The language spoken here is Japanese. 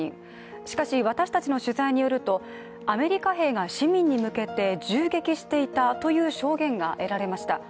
しかし、私たちの取材によるとアメリカ兵が市民に向けて銃撃していたという証言が得られました。